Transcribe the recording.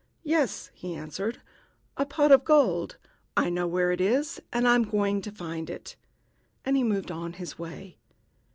"Yes," he answered, "a pot of gold! I know where it is, and I am going to find it." And he moved on his way.